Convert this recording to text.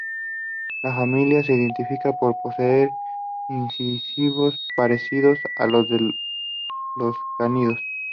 La familia se identifica por poseer incisivos parecidos a los de los cánidos.